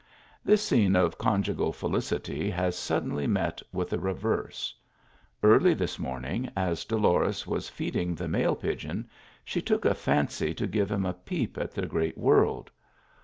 This scene of conjugal felicity has suddenly met with a reverse. Early this morning, as Dolores was feeding the male pigeon, she took a fancy to give him a peep at the great world.